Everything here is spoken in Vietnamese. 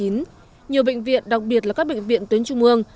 nhiều bệnh viện đặc biệt là các bệnh viện tuyến trung ương